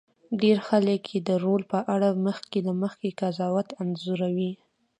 ډېر خلک یې د رول په اړه مخکې له مخکې قضاوت انځوروي.